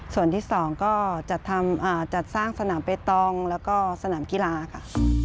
ส่วนที่๒ก็จัดสร้างสนามเปตองแล้วก็สนามกีฬาค่ะ